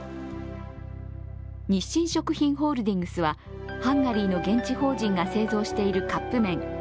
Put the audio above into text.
日清食品ホールディングスはハンガリーの現地法人が製造しているカップ麺